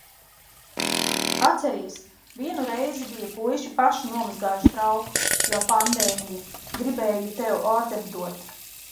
Atceries, vienu reizi bija puiši paši nomazgājuši traukus, jau, pandēmija, gribēju tev ordeni dot.